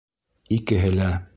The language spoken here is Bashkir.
Икеһе лә.